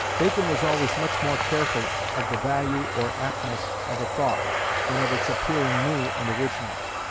Bacon was always much more careful of the value or aptness of a thought than of its appearing new and original.